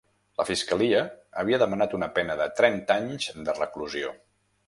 La fiscalia havia demanat una pena de trenta anys de reclusió.